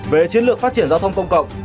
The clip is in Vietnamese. về chiến lược phát triển giao thông công cộng